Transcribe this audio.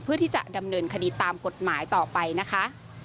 เพื่อที่จะดำเนินคดีตามกฎหมายต่อไปนะคะ